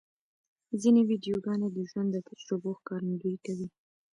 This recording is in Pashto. ځینې ویډیوګانې د ژوند د تجربو ښکارندویي کوي.